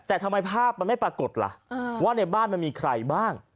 แต่ทำไมภาพมันไม่ปรากฏล่ะว่าในบ้านมันมีใครบ้าง